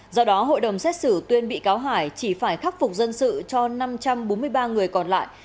do đó hội đồng xét xử tuyên bị cáo hải chỉ phải khắc phục dân sự cho năm trăm bốn mươi ba người còn lại